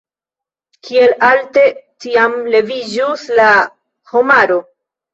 Kiel alte tiam leviĝus la homaro!